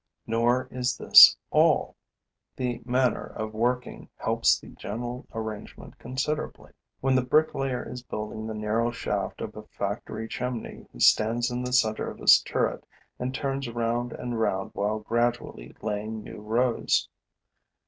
Nor is this all: the manner of working helps the general arrangement considerably. When the bricklayer is building the narrow shaft of a factory chimney, he stands in the center of his turret and turns round and round while gradually laying new rows.